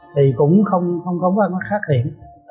thì cũng không có nó khác hiện